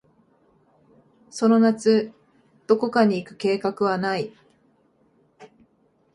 その夏、どこかに行く計画はない。